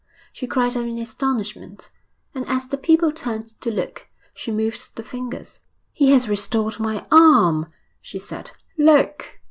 She cried out in astonishment, and as the people turned to look she moved the fingers. 'He has restored my arm,' she said. 'Look!'